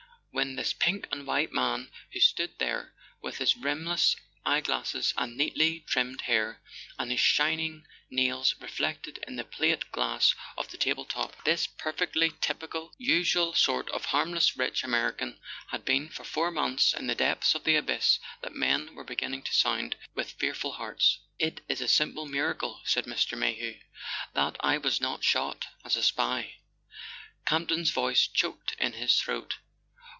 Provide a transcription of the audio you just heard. Then this pink and white man who stood there with his rimless eye glasses and neatly trimmed hair, and his shining nails reflected in the plate glass of the table top, this perfectly typical, usual A SON AT THE FRONT sort of harmless rich American, had been for four months in the depths of the abyss that men were be¬ ginning to sound with fearful hearts! "It is a simple miracle/' said Mr. Mayhew, "that I was not shot as a spy." Campton's voice choked in his throat.